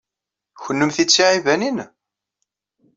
Kennemti d tiɛibanin?